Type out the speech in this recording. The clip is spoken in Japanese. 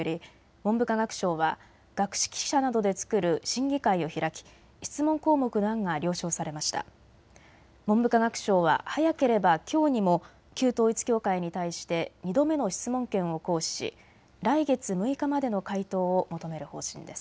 文部科学省は早ければきょうにも旧統一教会に対して２度目の質問権を行使し来月６日までの回答を求める方針です。